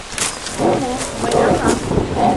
Ну мо, мый налам.